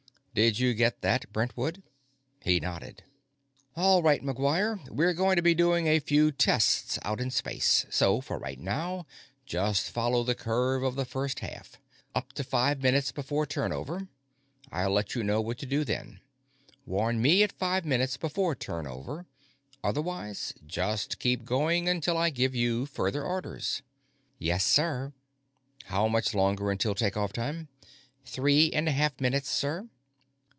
"Did you get that, Brentwood?" He nodded. "All right, McGuire; we're going to be doing a few tests out in space, so, for right now, just follow the curve of the first half up to five minutes before turnover. I'll let you know what to do then. Warn me at five minutes before turnover; otherwise, just keep going until I give you further orders." "Yes, sir." "How much longer until take off time?" "Three and a half minutes, sir."